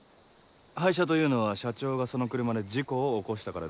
廃車というのは社長がその車で事故を起こしたからですか？